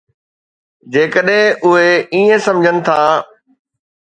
جيڪڏهن اهي ائين سمجهن ٿا.